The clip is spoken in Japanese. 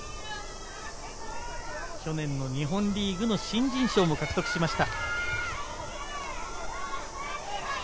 去年の日本リーグの新人賞も獲得しました。